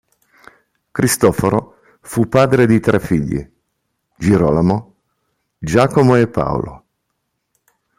Cristoforo fu padre di tre figli: Girolamo, Giacomo e Paolo.